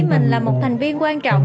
mình là một thành viên quan trọng